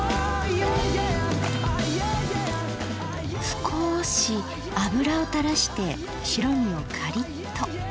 すこし油をたらして白身をカリッと。